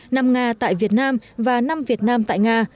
năm nga tại việt nam và năm việt nam tại nga